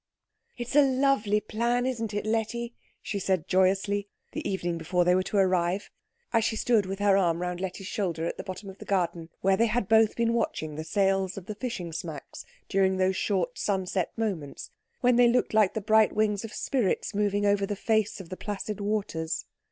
"It's a lovely plan, isn't it, Letty?" she said joyously, the evening before they were to arrive, as she stood with her arm round Letty's shoulder at the bottom of the garden, where they had both been watching the sails of the fishing smacks during those short sunset moments when they looked like the bright wings of spirits moving over the face of the placid waters.